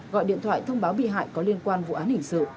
gọi điện thoại thông báo bị hại có liên quan vụ án hình sự